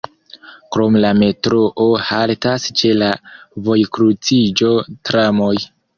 Krom la metroo haltas ĉe la vojkruciĝo tramoj.